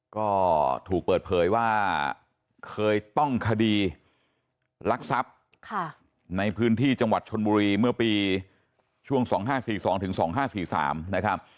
ก็ถูกเปิดเผยว่าเคยต้องคดีลักทรัพย์ในพื้นที่จังหวัดชนบุรีเมื่อปีช่วง๒๕๔๒๒๕๔๓นะครับ